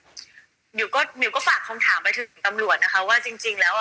หมิวก็ฝากคำถามไปถึงตำรวจนะคะว่าจริงแล้ว